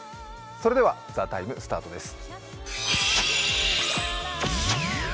それでは「ＴＨＥＴＩＭＥ，」スタートです。